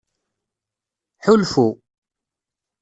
Ḥulfu.